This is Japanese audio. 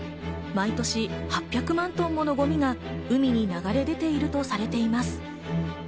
毎年８００万トンのゴミが海に流れ出ているとされています。